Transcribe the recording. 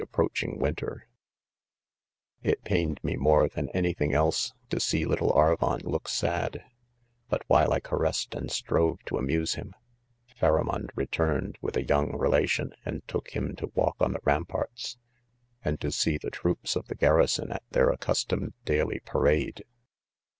approaching winter: ; c It pained me more than >any / thing: el$e,' to see little Arvon look sad'| hut while 'Iga&gBed and strove to amuse him,' "PharanioWd return ed wit h/a young * relation ahd : took' : 'himto'Wa!k on the ramparts, "and to see the 'If oops b£ Hie .garrison at their accustomed daily pAwtfde